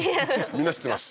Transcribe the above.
みんな知ってます